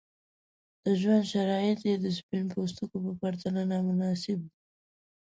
د ژوند شرایط یې د سپین پوستکو په پرتله نامناسب دي.